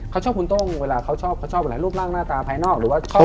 เขาชอบคุณโต้งเวลาเขาชอบรูปร่างหน้าตาภายนอกหรือว่าชอบกึน